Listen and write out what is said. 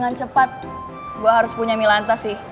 gue harus punya milanta sih